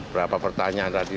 berapa pertanyaan tadi